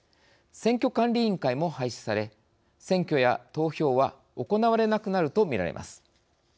選挙管理委員会も廃止され選挙や投票は行われなくなるとみられます。